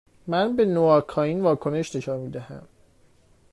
من به نواکائین واکنش نشان می دهم.